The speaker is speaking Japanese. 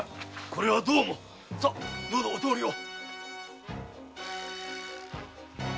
これはどうもどうぞお通りを。